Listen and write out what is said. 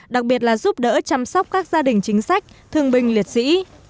đặc biệt là giúp đỡ chăm sóc các gia đình chính sách thường bình liệt sĩ